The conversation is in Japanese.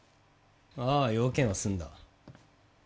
ああ用件は済んだ。